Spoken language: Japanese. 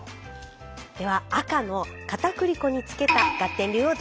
では赤のかたくり粉に漬けたガッテン流をどうぞ。